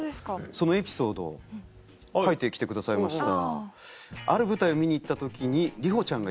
そのエピソードを書いて来てくださいました。